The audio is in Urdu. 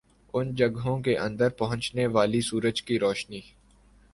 ان جگہوں کے اندر پہنچنے والی سورج کی روشنی